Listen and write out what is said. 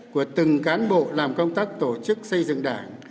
của từng cán bộ làm công tác tổ chức xây dựng đảng